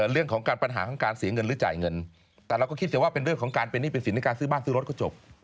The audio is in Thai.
เรื่องของการปัญหาของการเสียเงินหรือจ่ายเงินแต่เราก็คิดเสียว่าเป็นเรื่องของการเป็นหนี้เป็นสินในการซื้อบ้านซื้อรถก็จบ